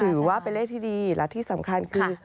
ถือว่าเป็นเลขที่ดีและที่สำคัญคือ